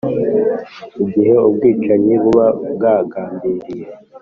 Igihe ubwicanyi buba bwagambiriye